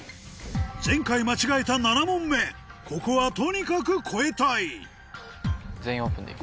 前回間違えた７問目ここはとにかく超えたい「全員オープン」でいく？